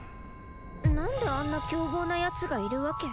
なんであんな凶暴なヤツがいるわけ？